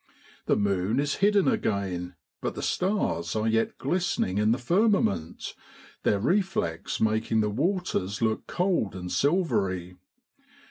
The moon is hidden again, but the stars are yet glistening in the firmament, their reflex making the waters look cold and silvery.